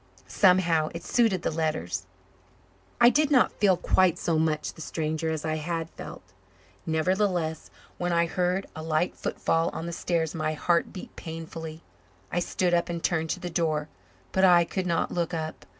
Somehow, it suited the letters. I did not feel quite so much the stranger as I had felt. Nevertheless, when I heard a light footfall on the stairs my heart beat painfully. I stood up and turned to the door, but I could not look up.